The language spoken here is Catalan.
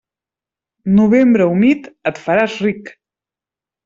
Novembre humit, et faràs ric.